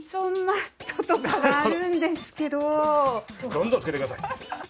どんどんつけてください。